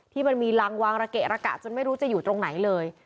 มันมีรังวางระเกะระกะจนไม่รู้จะอยู่ตรงไหนเลย